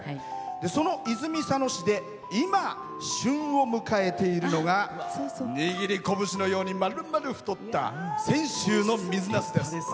その泉佐野市で今旬を迎えているのが握り拳のようにまるまる太った泉州の水なすです。